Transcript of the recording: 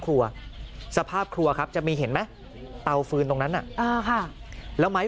ครัวสภาพครัวครับจะมีเห็นไหมเตาฟืนตรงนั้นน่ะอ่าค่ะแล้วไม้